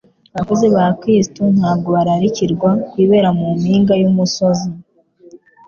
Abakozi ba Kristo ntabwo bararikirwa kwibera mu mpinga y'umusozi